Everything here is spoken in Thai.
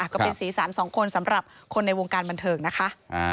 ก็เป็นสีสันสองคนสำหรับคนในวงการบันเทิงนะคะ